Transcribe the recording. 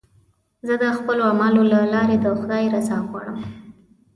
زه د خپلو اعمالو له لارې د خدای رضا غواړم.